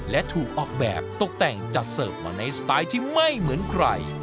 และถูกออกแบบตกแต่งจัดเสิร์ฟมาในสไตล์ที่ไม่เหมือนใคร